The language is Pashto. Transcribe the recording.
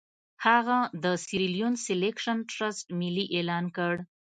هغه د سیریلیون سیلکشن ټرست ملي اعلان کړ.